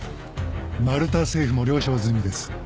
マルタ政府も了承済みです。